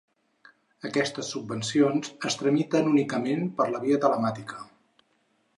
Aquestes subvencions es tramiten únicament per la via telemàtica.